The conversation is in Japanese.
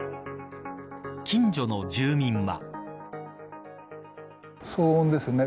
近所の住民は。